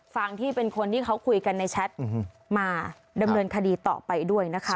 ฟังที่เป็นคนที่เขาคุยกันในแชทมาดำเนินคดีต่อไปด้วยนะคะ